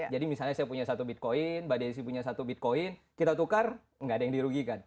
jadi misalnya saya punya satu bitcoin mba desy punya satu bitcoin kita tukar nggak ada yang dirugikan